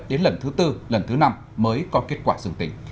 xét nghiệm đến lần thứ tư lần thứ năm mới có kết quả dương tính